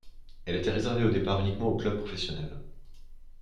Elle était réservée au départ uniquement aux clubs professionnels.